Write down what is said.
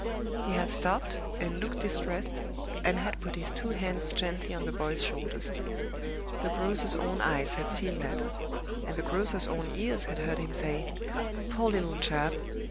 He had stopped and looked distressed, and had put his two hands gently on the boy's shoulders. The grocer's own eyes had seen that; and the grocer's own ears had heard him say, "Poor little chap!